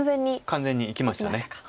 完全に生きました。